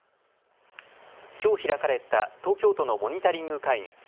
きょう開かれた東京都のモニタリング会議。